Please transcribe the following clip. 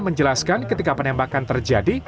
menjelaskan ketika penembakan terjadi